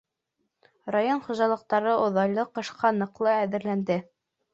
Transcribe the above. Район хужалыҡтары оҙайлы ҡышҡа ныҡлы әҙерләнде.